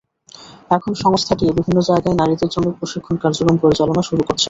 এখন সংস্থাটি বিভিন্ন জায়গায় নারীদের জন্য প্রশিক্ষণ কার্যক্রম পরিচালনা শুরু করছে।